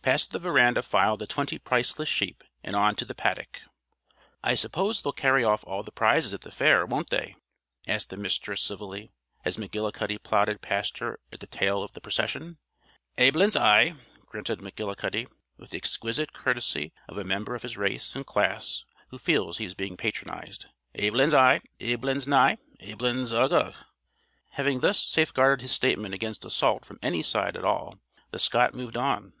Past the veranda filed the twenty priceless sheep, and on to the paddock. "I suppose they'll carry off all the prizes at the fair, won't they?" asked the Mistress civilly, as McGillicuddy plodded past her at the tail of the procession. "Aiblins, aye," grunted McGillicuddy, with the exquisite courtesy of a member of his race and class who feels he is being patronized. "Aiblins, aye. Aiblins, na'. Aiblins ugh uh." Having thus safeguarded his statement against assault from any side at all, the Scot moved on.